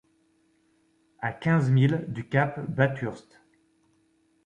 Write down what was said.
À quinze milles du cap Bathurst —